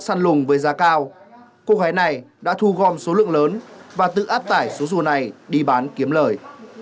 săn lùng với giá cao cô gái này đã thu gom số lượng lớn và tự áp tải số rùa này đi bán kiếm lời